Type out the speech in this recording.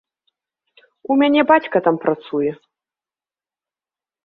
У мяне бацька там працуе.